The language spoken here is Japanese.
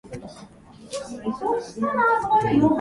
罪人と書いてつみんちゅと読む